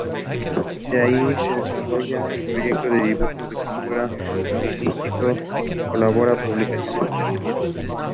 Both Joseph and Bob were former Brooklyn Visitations players.